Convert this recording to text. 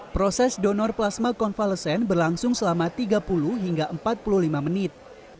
proses donor plasma konvalesen berlangsung selama tiga puluh hingga empat puluh lima menit